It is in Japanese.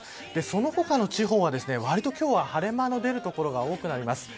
その他の地方は、わりと今日は晴れ間の出る所が多くなります。